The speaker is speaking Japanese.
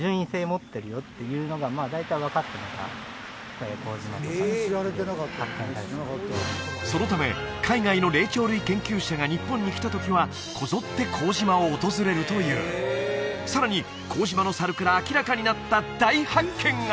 そこのレベルでここが？へえすごいだからそのそのため海外の霊長類研究者が日本に来たときはこぞって幸島を訪れるというさらに幸島の猿から明らかになった大発見が！